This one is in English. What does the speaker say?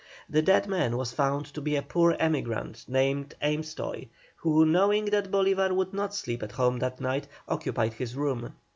The dead man was found to be a poor emigrant named Amestoy, who, knowing that Bolívar would not sleep at home that night, occupied his room.